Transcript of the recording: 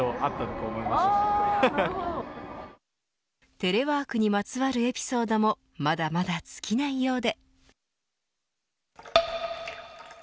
テレワークにまつわるエピソードもまだまだ尽きないようで。